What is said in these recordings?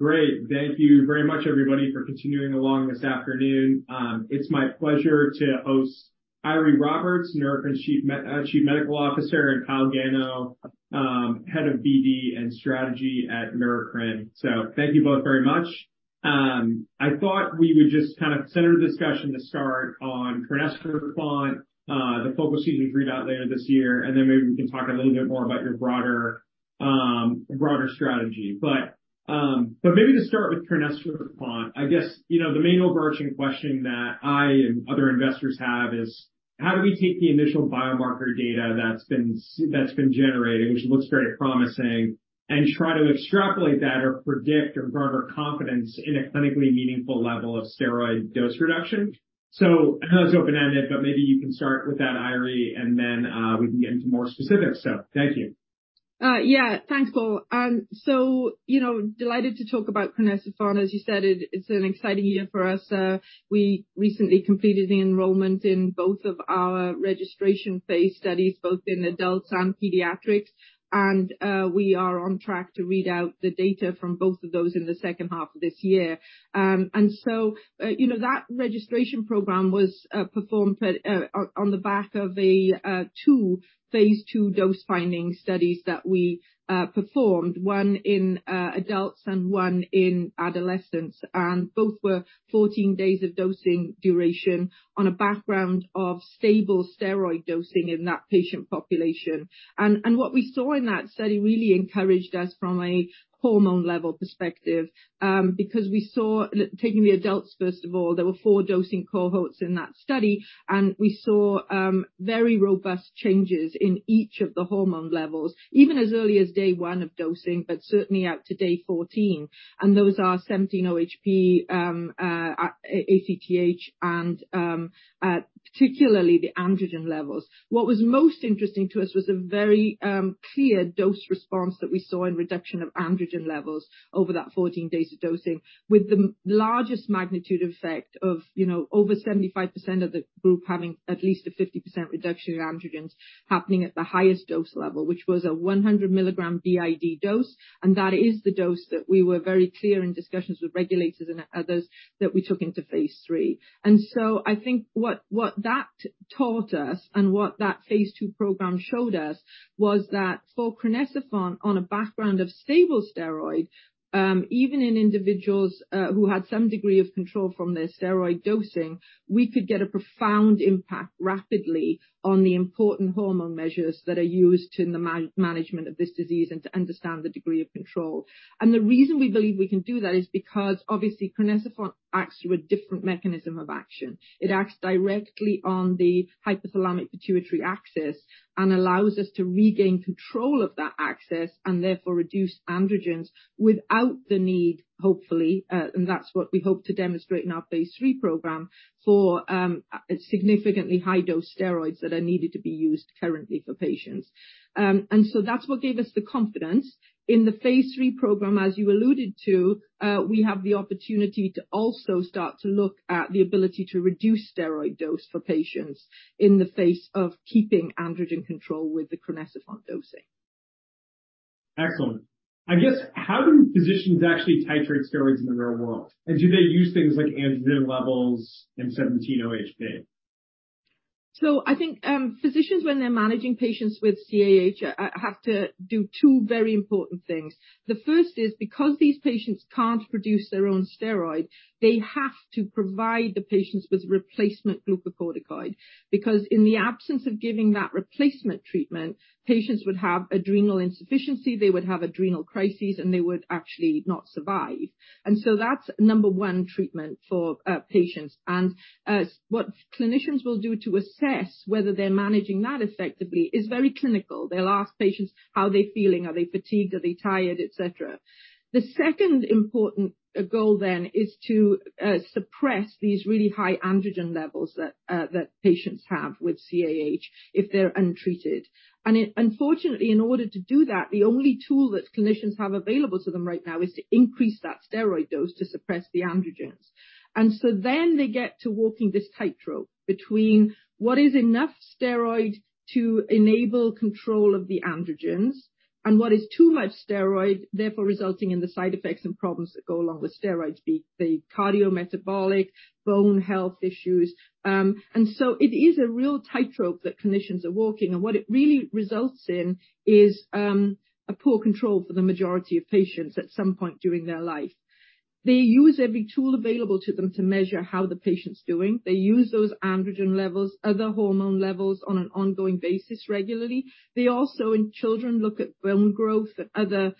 Great. Thank you very much, everybody, for continuing along this afternoon. It's my pleasure to host Eiry Roberts, Neurocrine's Chief Medical Officer, and Kyle Gano, head of BD and strategy at Neurocrine. Thank you both very much. I thought we would just kind of center the discussion to start on Crinecerfont, the focus you read out later this year, and then maybe we can talk a little bit more about your broader strategy. But maybe to start with Crinecerfont, I guess, you know, the main overarching question that I and other investors have is: how do we take the initial biomarker data that's been generated, which looks very promising, and try to extrapolate that or predict or garner confidence in a clinically meaningful level of steroid dose reduction? I know that's open-ended, but maybe you can start with that, Eiry, and then we can get into more specifics. Thank you. Thanks, Paul. You know, delighted to talk about Crinecerfont. As you said, it's an exciting year for us. We recently completed the enrollment in both of our registration phase studies, both in adults and pediatrics. We are on track to read out the data from both of those in the H2 of this year. You know, that registration program was performed on the back of a 2 phase II dose finding studies that we performed, 1 in adults and 1 in adolescents. Both were 14 days of dosing duration on a background of stable steroid dosing in that patient population. What we saw in that study really encouraged us from a hormone level perspective, because we saw- taking the adults, first of all, there were 4 dosing cohorts in that study, we saw very robust changes in each of the hormone levels, even as early as day 1 of dosing, but certainly out to day 14. Those are 17-OHP, ACTH, and particularly the androgen levels. What was most interesting to us was a very clear dose response that we saw in reduction of androgen levels over that 14 days of dosing with the largest magnitude effect of, you know, over 75% of the group having at least a 50% reduction in androgens happening at the highest dose level, which was a 100 milligram BID dose. That is the dose that we were very clear in discussions with regulators and others that we took into phase III. I think what that taught us and what that phase II program showed us was that for Crinecerfont on a background of stable steroid, even in individuals who had some degree of control from their steroid dosing, we could get a profound impact rapidly on the important hormone measures that are used in the man-management of this disease and to understand the degree of control. The reason we believe we can do that is because obviously Crinecerfont acts through a different mechanism of action. It acts directly on the hypothalamic-pituitary axis and allows us to regain control of that axis and therefore reduce androgens without the need, hopefully, and that's what we hope to demonstrate in our phase III program for significantly high dose steroids that are needed to be used currently for patients. That's what gave us the confidence. In the phase III program, as you alluded to, we have the opportunity to also start to look at the ability to reduce steroid dose for patients in the face of keeping androgen control with the Crinecerfont dosing. Excellent. I guess, how do physicians actually titrate steroids in the real world? Do they use things like androgen levels and 17-OHP? I think physicians, when they're managing patients with CAH, have to do 2 very important things. The 1st is because these patients can't produce their own steroid, they have to provide the patients with replacement glucocorticoid, because in the absence of giving that replacement treatment, patients would have adrenal insufficiency, they would have adrenal crises, and they would actually not survive. That's number 1 treatment for patients. What clinicians will do to assess whether they're managing that effectively is very clinical. They'll ask patients how they're feeling, are they fatigued, are they tired, et cetera. The 2nd important goal then is to suppress these really high androgen levels that patients have with CAH if they're untreated. Unfortunately, in order to do that, the only tool that clinicians have available to them right now is to increase that steroid dose to suppress the androgens. They get to walking this tightrope between what is enough steroid to enable control of the androgens and what is too much steroid, therefore resulting in the side effects and problems that go along with steroids, be they cardiometabolic, bone health issues. It is a real tightrope that clinicians are walking, and what it really results in is a poor control for the majority of patients at some point during their life. They use every tool available to them to measure how the patient's doing. They use those androgen levels, other hormone levels on an ongoing basis regularly. They also, in children, look at bone growth and other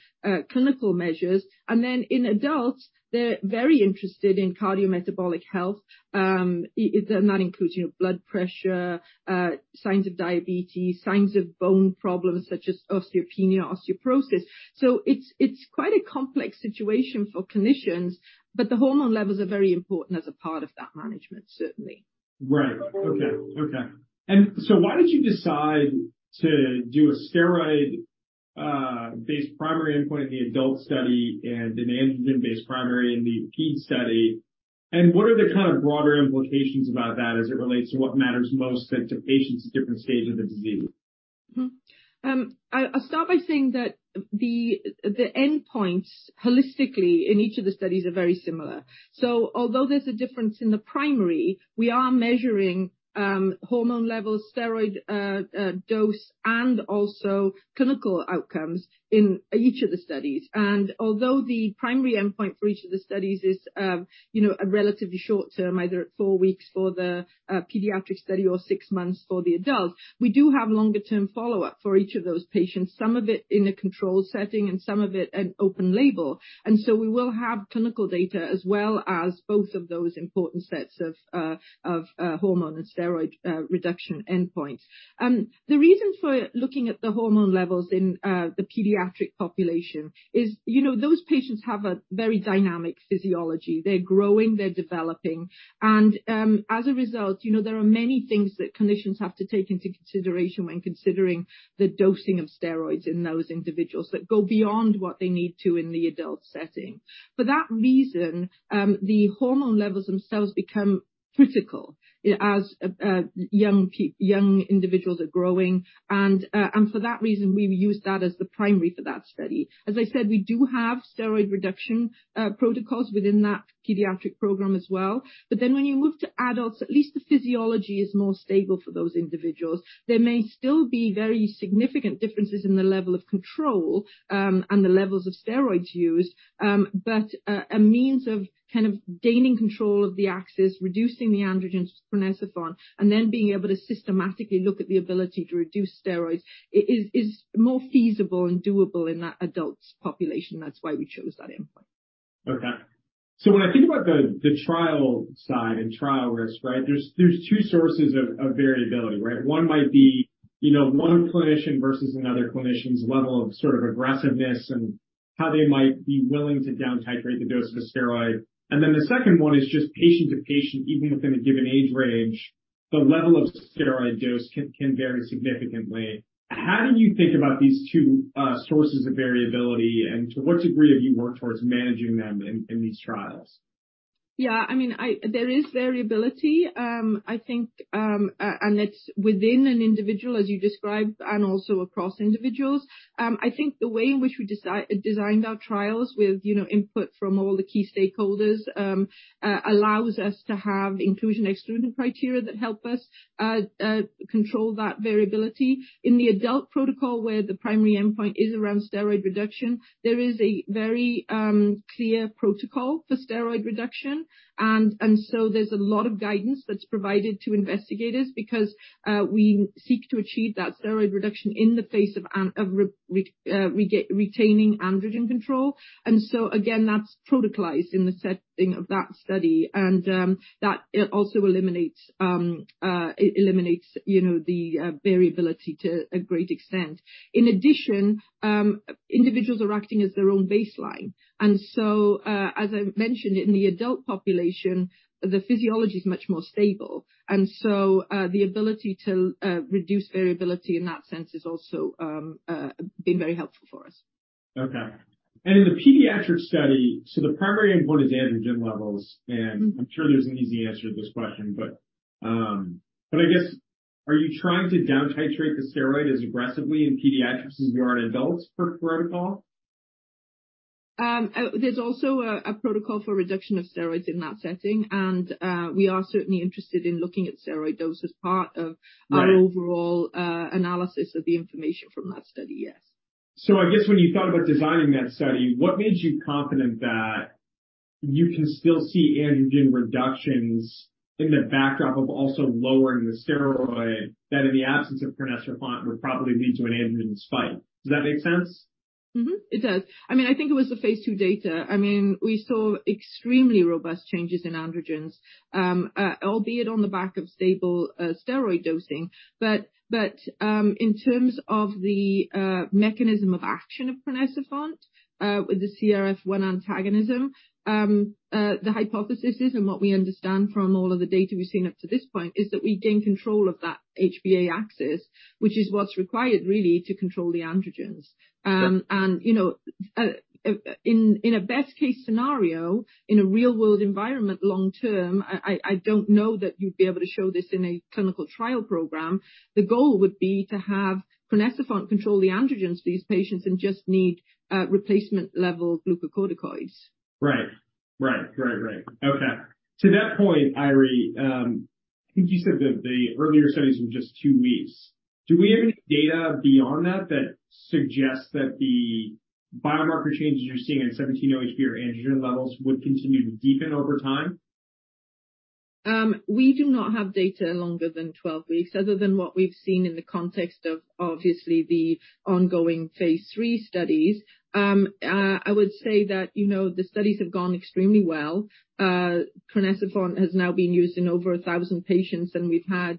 clinical measures. In adults, they're very interested in cardiometabolic health. That includes, you know, blood pressure, signs of diabetes, signs of bone problems such as osteopenia, osteoporosis. It's, it's quite a complex situation for clinicians, but the hormone levels are very important as a part of that management, certainly. Right. Okay. Okay. Why did you decide to do a steroid based primary endpoint in the adult study and an androgen-based primary in the ped study? What are the kind of broader implications about that as it relates to what matters most, like, to patients at different stage of the disease? I'll start by saying that the endpoints holistically in each of the studies are very similar. Although there's a difference in the primary, we are measuring hormone levels, steroid dose, and also clinical outcomes in each of the studies. Although the primary endpoint for each of the studies is, you know, a relatively short term, either at 4 weeks for the pediatric study or 6 months for the adults. We do have longer-term follow-up for each of those patients, some of it in a controlled setting and some of it in open label. We will have clinical data as well as both of those important sets of hormone and steroid reduction endpoints. The reason for looking at the hormone levels in the pediatric population is, you know, those patients have a very dynamic physiology. They're growing, they're developing. As a result, you know, there are many things that clinicians have to take into consideration when considering the dosing of steroids in those individuals that go beyond what they need to in the adult setting. For that reason, the hormone levels themselves become critical as young individuals are growing. For that reason, we've used that as the primary for that study. As I said, we do have steroid reduction protocols within that pediatric program as well. When you move to adults, at least the physiology is more stable for those individuals. There may still be very significant differences in the level of control, and the levels of steroids used. A means of kind of gaining control of the axis, reducing the androgen precursors, and then being able to systematically look at the ability to reduce steroids is more feasible and doable in that adult population. That's why we chose that endpoint. When I think about the trial side and trial risk, right? There's 2 sources of variability, right? 1 might be, you know, 1 clinician versus another clinician's level of sort of aggressiveness and how they might be willing to down titrate the dose of a steroid. The second one is just patient to patient, even within a given age range, the level of steroid dose can vary significantly. How do you think about these 2 sources of variability? To what degree have you worked towards managing them in these trials? I mean, there is variability. I think, and it's within an individual as you described and also across individuals. I think the way in which we designed our trials with, you know, input from all the key stakeholders, allows us to have inclusion, exclusion criteria that help us control that variability. In the adult protocol, where the primary endpoint is around steroid reduction, there is a very clear protocol for steroid reduction. there's a lot of guidance that's provided to investigators because we seek to achieve that steroid reduction in the face of retaining androgen control. Again, that's protocolized in the setting of that study. That also eliminates, you know, the variability to a great extent. In addition, individuals are acting as their own baseline. As I mentioned in the adult population, the physiology is much more stable. The ability to reduce variability in that sense has also been very helpful for us. Okay. In the pediatric study, so the primary endpoint is androgen levels. Mm-hmm. I'm sure there's an easy answer to this question, I guess, are you trying to down titrate the steroid as aggressively in pediatrics as you are in adults per protocol? There's also a protocol for reduction of steroids in that setting. We are certainly interested in looking at steroid dose as part of. Right. Our overall analysis of the information from that study, yes. I guess when you thought about designing that study, what made you confident that you can still see androgen reductions in the backdrop of also lowering the steroid that in the absence of Crinecerfont would probably lead to an androgen spike? Does that make sense? It does. I mean, I think it was the phase II data. I mean, we saw extremely robust changes in androgens, albeit on the back of stable steroid dosing. In terms of the mechanism of action of Crinecerfont with the CRF1 antagonism, the hypothesis is and what we understand from all of the data we've seen up to this point is that we gain control of that HPA axis, which is what's required really to control the androgens. Sure. You know, in a best case scenario, in a real world environment long-term, I don't know that you'd be able to show this in a clinical trial program. The goal would be to have Crinecerfont control the androgens for these patients and just need replacement level glucocorticoids. Right. Right. Right, right. Okay. To that point, Eiry, I think you said that the earlier studies were just 2 weeks. Do we have any data beyond that that suggests that the biomarker changes you're seeing in 17-OHP or androgen levels would continue to deepen over time? We do not have data longer than 12 weeks other than what we've seen in the context of obviously the ongoing phase III studies. I would say that, you know, the studies have gone extremely well. Crinecerfont has now been used in over 1,000 patients, and we've had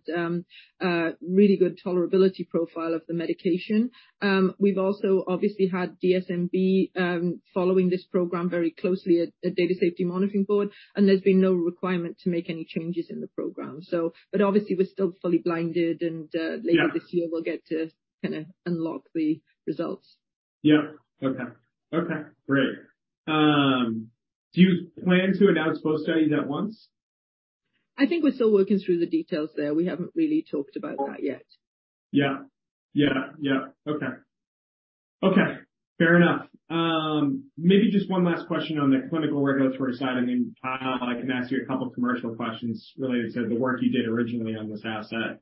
a really good tolerability profile of the medication. We've also obviously had DSMB following this program very closely at Data Safety Monitoring Board, and there's been no requirement to make any changes in the program. We're still fully blinded. Yeah. Later this year, we'll get to kinda unlock the results. Okay. Okay, great. Do you plan to announce both studies at once? I think we're still working through the details there. We haven't really talked about that yet. Okay, fair enough. Maybe just 1 last question on the clinical regulatory side, and then, Kyle, I can ask you a couple commercial questions related to the work you did originally on this asset.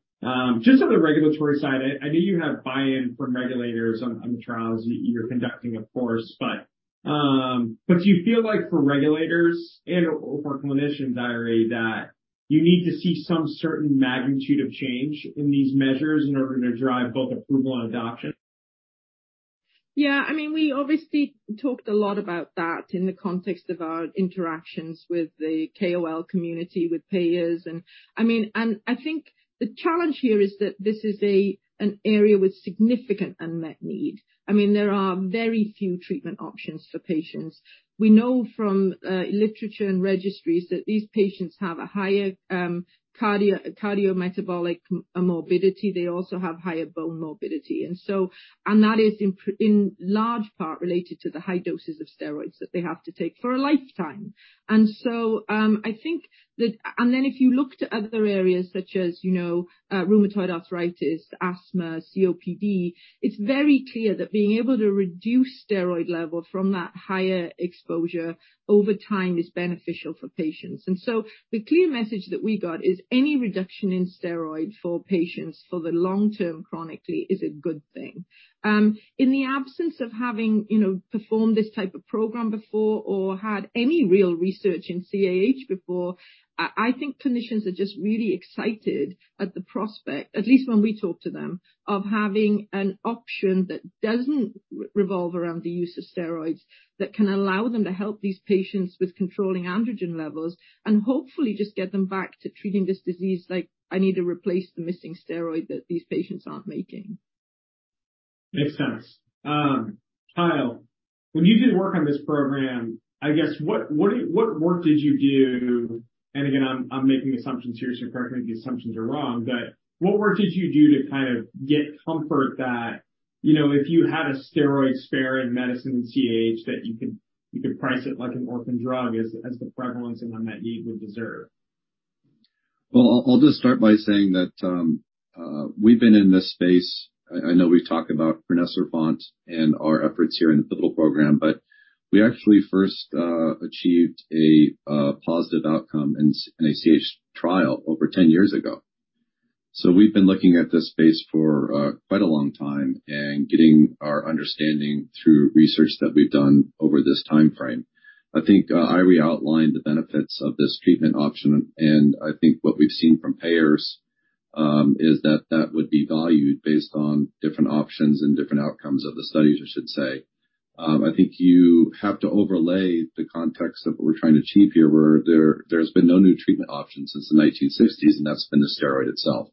Just on the regulatory side, I know you have buy-in from regulators on the trials you're conducting, of course, do you feel like for regulators and/or for clinicians, Eiry, that you need to see some certain magnitude of change in these measures in order to drive both approval and adoption? I mean, we obviously talked a lot about that in the context of our interactions with the KOL community, with payers. I mean, I think the challenge here is that this is an area with significant unmet need. I mean, there are very few treatment options for patients. We know from literature and registries that these patients have a higher cardiometabolic morbidity. They also have higher bone morbidity. That is in large part related to the high doses of steroids that they have to take for a lifetime. I think if you look to other areas such as, you know, rheumatoid arthritis, asthma, COPD, it's very clear that being able to reduce steroid level from that higher exposure over time is beneficial for patients. The clear message that we got is any reduction in steroids for patients for the long-term chronically is a good thing. In the absence of having, you know, performed this type of program before or had any real research in CAH before, I think clinicians are just really excited at the prospect, at least when we talk to them, of having an option that doesn't revolve around the use of steroids that can allow them to help these patients with controlling androgen levels and hopefully just get them back to treating this disease like I need to replace the missing steroid that these patients aren't making. Makes sense. Kyle, when you did work on this program, I guess what work did you do? Again, I'm making assumptions here, so correct me if the assumptions are wrong, but what work did you do to kind of get comfort that, you know, if you had a steroid-sparing medicine in CAH that you could, you could price it like an orphan drug as the prevalence and unmet need would deserve? I'll just start by saying that we've been in this space. I know we've talked about crinecerfont and our efforts here in the pivotal program, but we actually first achieved a positive outcome in a CAH trial over 10 years ago. We've been looking at this space for quite a long time and getting our understanding through research that we've done over this timeframe. I think Eiry outlined the benefits of this treatment option, and I think what we've seen from payers is that that would be valued based on different options and different outcomes of the studies, I should say. I think you have to overlay the context of what we're trying to achieve here, where there's been no new treatment options since the 1960s, and that's been the steroid itself.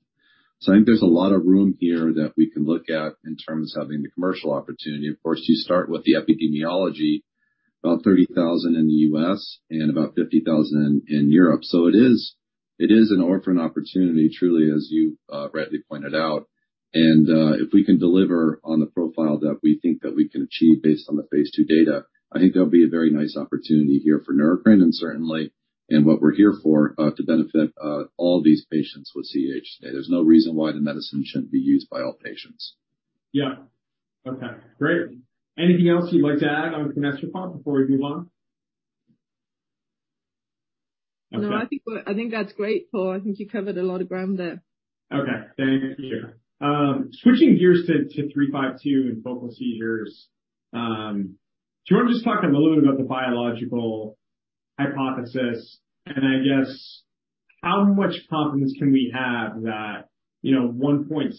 I think there's a lot of room here that we can look at in terms of having the commercial opportunity. Of course, you start with the epidemiology, about 30,000 in the U.S. and about 50,000 in Europe. It is an orphan opportunity, truly, as you rightly pointed out. If we can deliver on the profile that we think that we can achieve based on the phase II data, I think there'll be a very nice opportunity here for Neurocrine and certainly, and what we're here for, to benefit all these patients with CAH today. There's no reason why the medicine shouldn't be used by all patients. Okay, great. Anything else you'd like to add on Crinecerfont before we move on? No, I think that's great, Paul. I think you covered a lot of ground there. Okay. Thank you. Switching gears to 352 and focal seizures, do you wanna just talk a little bit about the biological hypothesis? I guess how much confidence can we have that, you know, 1.6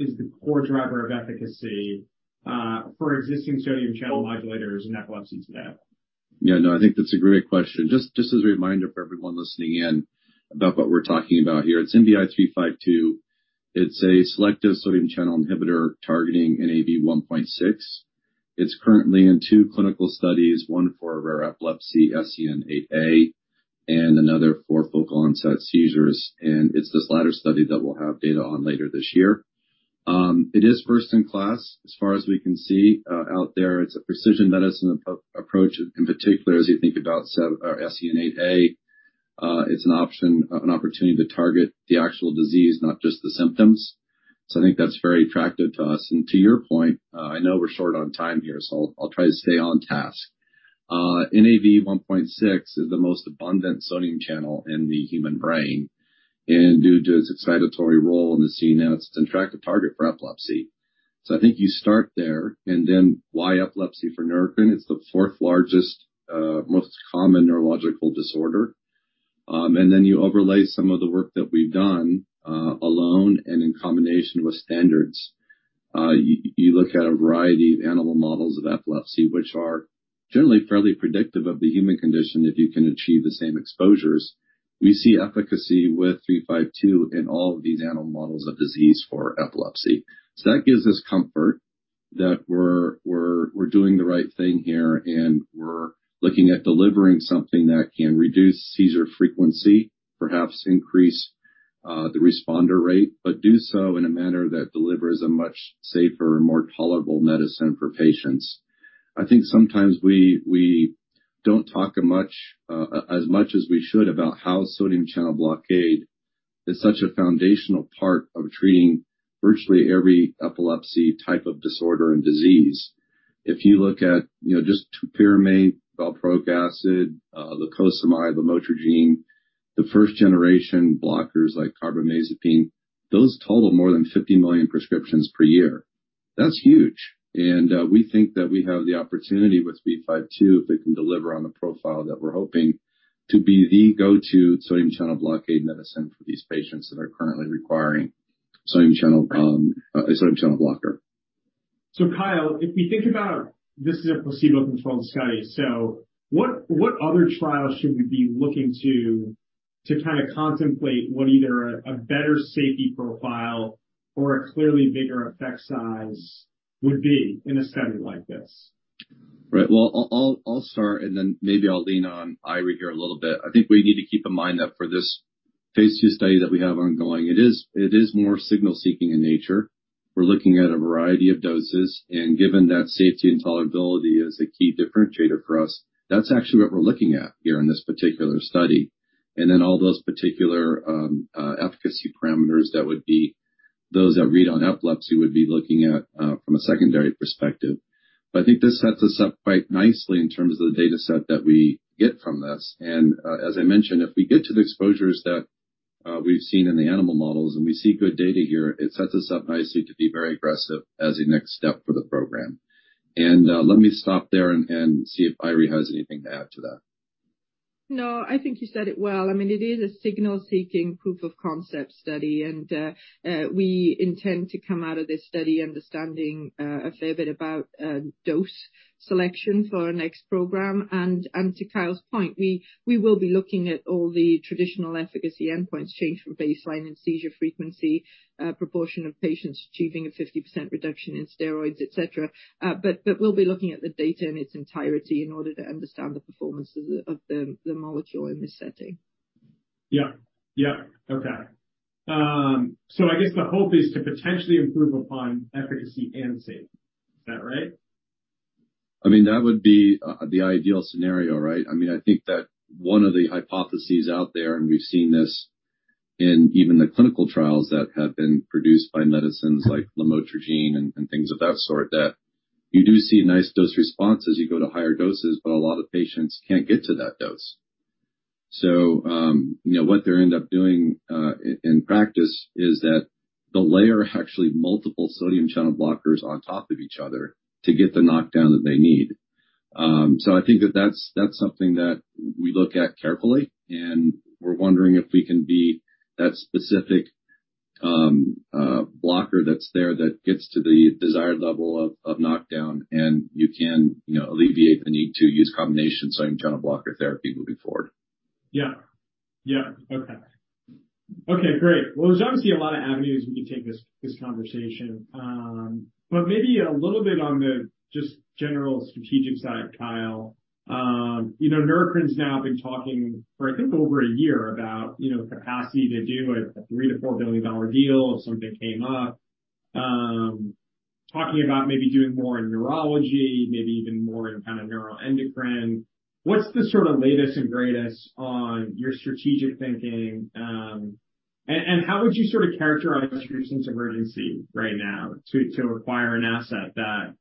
is the core driver of efficacy for existing sodium channel modulators in epilepsy today? No, I think that's a great question. Just as a reminder for everyone listening in about what we're talking about here. It's NBI-921352. It's a selective sodium channel inhibitor targeting Nav1.6. It's currently in 2 clinical studies, 1 for rare epilepsy, SCN8A, and another for focal onset seizures. It's this latter study that we'll have data on later this year. It is 1st in class as far as we can see out there. It's a precision medicine approach, in particular, as you think about SCN8A. It's an opportunity to target the actual disease, not just the symptoms. I think that's very attractive to us. To your point, I know we're short on time here, so I'll try to stay on task. Nav1.6 is the most abundant sodium channel in the human brain, and due to its excitatory role in the CNS, it's an attractive target for epilepsy. I think you start there and then why epilepsy for Neurocrine? It's the 4th largest, most common neurological disorder. You overlay some of the work that we've done alone and in combination with standards. You look at a variety of animal models of epilepsy, which are generally fairly predictive of the human condition if you can achieve the same exposures. We see efficacy with 352 in all of these animal models of disease for epilepsy. That gives us comfort that we're doing the right thing here, and we're looking at delivering something that can reduce seizure frequency, perhaps increase the responder rate, but do so in a manner that delivers a much safer and more tolerable medicine for patients. I think sometimes we don't talk as much as we should about how sodium channel blockade is such a foundational part of treating virtually every epilepsy type of disorder and disease. If you look at, you know, just topiramate, valproic acid, lacosamide, lamotrigine, the 1st-generation blockers like carbamazepine, those total more than 50 million prescriptions per year. That's huge. We think that we have the opportunity with 352, if it can deliver on the profile that we're hoping to be the go-to sodium channel blockade medicine for these patients that are currently requiring sodium channel, a sodium blocker. Kyle, if we think about this is a placebo-controlled study, what other trials should we be looking to to kind of contemplate what either a better safety profile or a clearly bigger effect size would be in a study like this? Right. Well, I'll start and then maybe I'll lean on Eiry Roberts here a little bit. I think we need to keep in mind that for this phase II study that we have ongoing, it is more signal-seeking in nature. We're looking at a variety of doses, and given that safety and tolerability is a key differentiator for us, that's actually what we're looking at here in this particular study. All those particular efficacy parameters, that would be those that read on epilepsy would be looking at from a secondary perspective. I think this sets us up quite nicely in terms of the data set that we get from this. As I mentioned, if we get to the exposures that we've seen in the animal models and we see good data here, it sets us up nicely to be very aggressive as a next step for the program. Let me stop there and see if Eiry has anything to add to that. No, I think you said it well. I mean, it is a signal seeking proof of concept study, and we intend to come out of this study understanding a fair bit about dose selection for our next program. To Kyle's point, we will be looking at all the traditional efficacy endpoints change from baseline and seizure frequency, proportion of patients achieving a 50% reduction in steroids, et cetera. We'll be looking at the data in its entirety in order to understand the performance of the molecule in this setting. Okay. I guess the hope is to potentially improve upon efficacy and safety. Is that right? I mean, that would be the ideal scenario, right? I mean, I think that one of the hypotheses out there, we've seen this in even the clinical trials that have been produced by medicines like Lamotrigine and things of that sort, that you do see a nice dose response as you go to higher doses. A lot of patients can't get to that dose. You know, what they end up doing in practice is that they'll layer actually multiple sodium channel blockers on top of each other to get the knockdown that they need. I think that's something that we look at carefully, and we're wondering if we can be that specific blocker that's there that gets to the desired level of knockdown, and you can, you know, alleviate the need to use combination sodium channel blocker therapy moving forward. Okay, great. Well, there's obviously a lot of avenues we can take this conversation. Maybe a little bit on the just general strategic side, Kyle. You know, Neurocrine's now been talking for I think over a year about, you know, capacity to do a $3 billion to $4 billion deal if something came up. Talking about maybe doing more in neurology, maybe even more in kind of neuroendocrine. What's the sort of latest and greatest on your strategic thinking, and how would you sort of characterize your sense of urgency right now to acquire an asset that,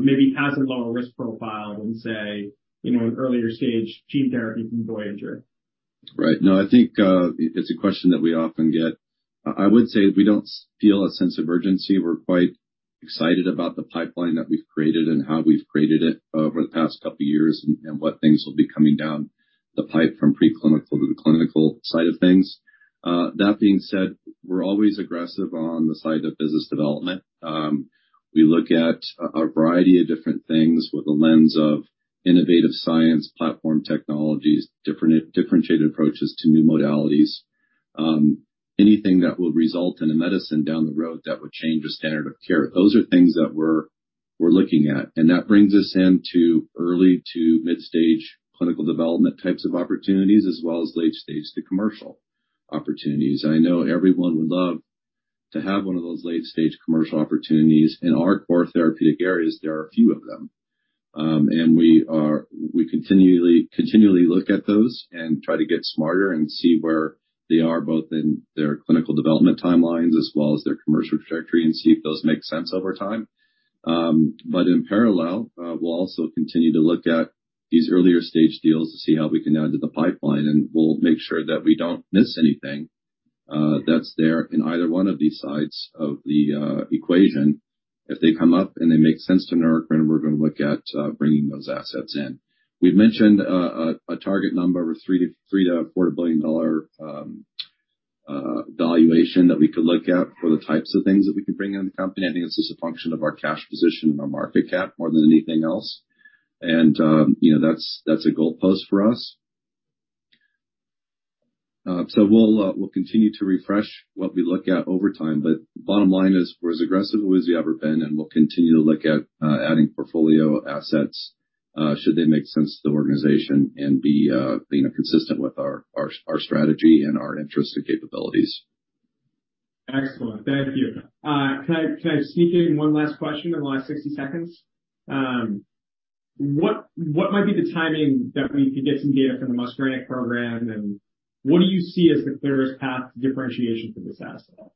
maybe has a lower risk profile than, say, you know, an earlier stage gene therapy from Voyager? Right. No, I think, it's a question that we often get. I would say we don't feel a sense of urgency. We're quite excited about the pipeline that we've created and how we've created it over the past couple of years and, what things will be coming down the pipe from preclinical to the clinical side of things. That being said, we're always aggressive on the side of business development. We look at a variety of different things with the lens of innovative science, platform technologies, differentiated approaches to new modalities, anything that will result in a medicine down the road that would change the standard of care. Those are things that we're looking at. That brings us into early to midstage clinical development types of opportunities as well as late stage to commercial opportunities. I know everyone would love to have one of those late-stage commercial opportunities. In our core therapeutic areas, there are a few of them. We continually look at those and try to get smarter and see where they are both in their clinical development timelines as well as their commercial trajectory and see if those make sense over time. In parallel, we'll also continue to look at these earlier-stage deals to see how we can add to the pipeline, and we'll make sure that we don't miss anything that's there in either one of these sides of the equation. If they come up and they make sense to Neurocrine, we're going to look at bringing those assets in. We've mentioned a target number of $3 billion to $4 billion valuation that we could look at for the types of things that we can bring in the company. I think it's just a function of our cash position and our market cap more than anything else. you know, that's a goalpost for us. We'll continue to refresh what we look at over time, but bottom line is we're as aggressive as we've ever been, and we'll continue to look at adding portfolio assets. Should they make sense to the organization and be, you know, consistent with our strategy and our interests and capabilities. Excellent. Thank you. Can I sneak in 1 last question in the last 60 seconds? What might be the timing that we could get some data from the muscarinic program, and what do you see as the clearest path to differentiation for this asset?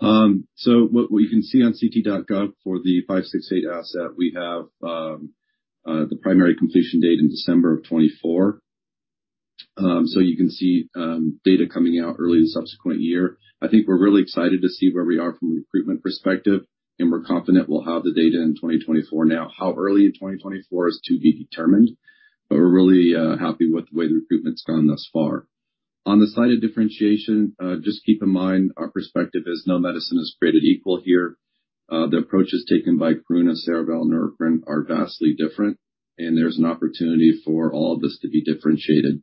What we can see on ct.gov for the 5 6 8 asset, we have the primary completion date in December of 2024. You can see data coming out early the subsequent year. I think we're really excited to see where we are from a recruitment perspective, and we're confident we'll have the data in 2024. How early in 2024 is to be determined, but we're really happy with the way the recruitment's gone thus far. On the side of differentiation, just keep in mind our perspective is no medicine is created equal here. The approaches taken by Karuna, Cerevel, Neurocrine are vastly different, and there's an opportunity for all of this to be differentiated.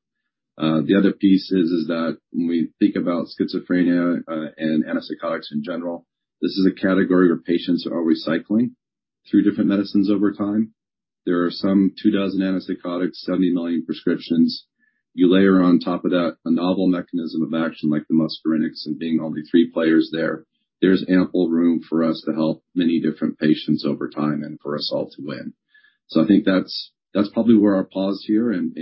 The other piece is that when we think about schizophrenia and antipsychotics in general, this is a category where patients are recycling through different medicines over time. There are some 2 dozen antipsychotics, 70 million prescriptions. You layer on top of that a novel mechanism of action like the muscarinics and being only 3 players there. There's ample room for us to help many different patients over time and for us all to win. I think that's probably where I'll pause here and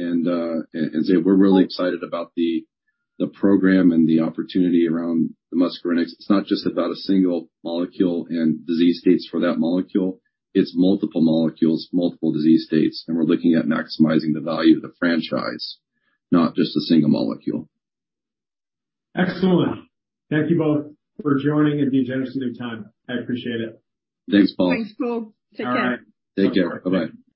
say we're really excited about the program and the opportunity around the muscarinics. It's not just about a single molecule and disease states for that molecule. It's multiple molecules, multiple disease states, and we're looking at maximizing the value of the franchise, not just a single molecule. Excellent. Thank you both for joining and being generous with your time. I appreciate it. Thanks, Paul. Thanks, Paul. Take care. Take care. Bye-bye.